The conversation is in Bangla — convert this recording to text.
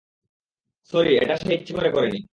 স্যরি, এটা সে ইচ্ছে করে করেনি।